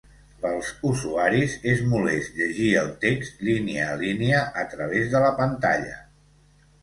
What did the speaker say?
Pels usuaris és molest llegir el text línia a línia a través de la pantalla.